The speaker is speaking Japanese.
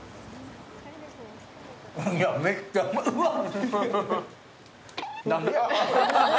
めっちゃうまっ。